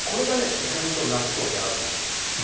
意外と納豆に合うんです。